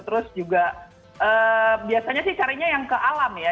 terus juga biasanya sih carinya yang ke alam ya